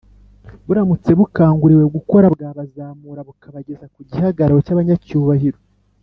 buramutse bukanguriwe gukora, bwabazamura bukabageza ku gihagararo cy’abanyacyubahiro